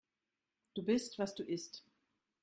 Du bist, was du isst.